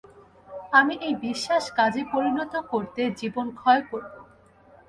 আমি এই বিশ্বাস কাজে পরিণত করতে জীবনক্ষয় করব।